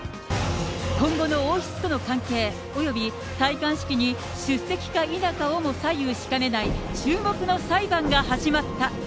今後の王室との関係、および戴冠式に出席か否かをも左右しかねない、注目の裁判が始まった。